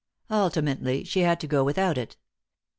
Ultimately she had to go without it.